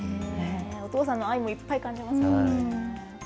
お父さんの愛もいっぱい感じました。